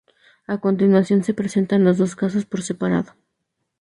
A continuación se presentan los dos casos por separado.